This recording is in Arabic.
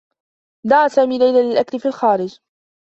دعى سامي ليلى للأكل في الخارج.